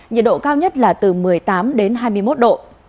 nhiệt độ cao nhất là từ một mươi tám đến hai mươi một độ